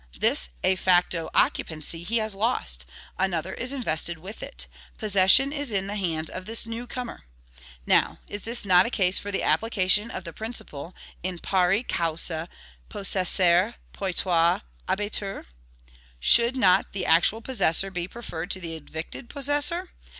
this ae facto occupancy he has lost; another is invested with it: possession is in the hands of this new comer. Now, is not this a case for the application of the principle, In pari causa possesser potior habetur? Should not the actual possessor be preferred to the evicted possessor?